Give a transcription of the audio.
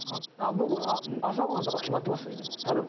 僕朝ごはんとか決まってますね食べるもの。